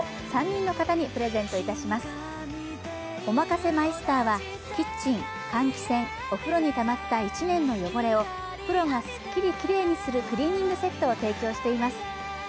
おまかせマイスターはキッチン、換気扇、お風呂にたまった１年の汚れをプロがすっきりきれいにするクリーニングセットを提供しています。